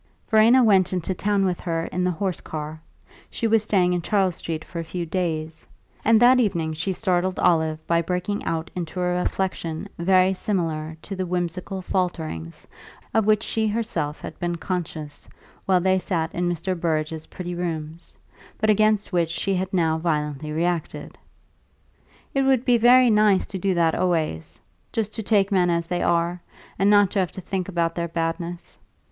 Verena went into town with her in the horse car she was staying in Charles Street for a few days and that evening she startled Olive by breaking out into a reflexion very similar to the whimsical falterings of which she herself had been conscious while they sat in Mr. Burrage's pretty rooms, but against which she had now violently reacted. "It would be very nice to do that always just to take men as they are, and not to have to think about their badness.